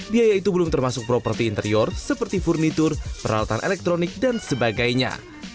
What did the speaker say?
biaya itu belum termasuk properti interior seperti furnitur peralatan elektronik dan sebagainya